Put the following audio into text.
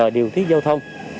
điều thiết giao thông